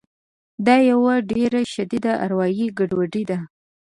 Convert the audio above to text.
دا یوه ډېره شدیده اروایي ګډوډي ده